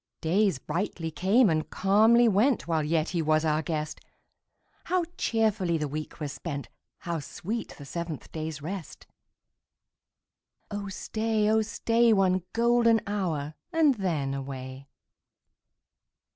Days brightly came and calmly went, While yet he was our guest ; How cheerfully the week was spent ! How sweet the seventh day's rest ! Oh stay, oh stay. One golden hour, and then away.